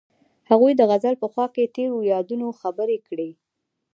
هغوی د غزل په خوا کې تیرو یادونو خبرې کړې.